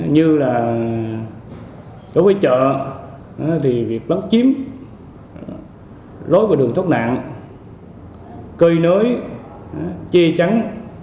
như là đối với chợ thì việc lấn chiếm lối vào đường thốt nạn cây nới chia trắng